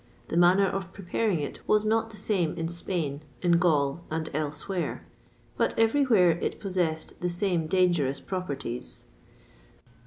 The manner of preparing it was not the same in Spain, in Gaul, and elsewhere; but everywhere it possessed the same dangerous properties.